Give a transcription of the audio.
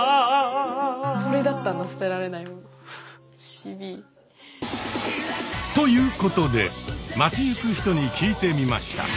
きょうはなんかということで街行く人に聞いてみました。